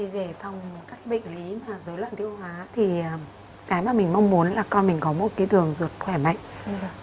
về phòng các bệnh lý mà dối loạn tiêu hóa thì cái mà mình mong muốn là con mình có một cái đường ruột khỏe mạnh